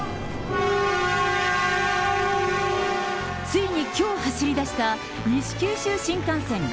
ついにきょう走り出した、西九州新幹線。